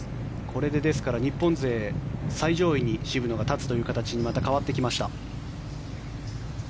これで日本勢最上位に渋野が立つという形にまた変わってきました。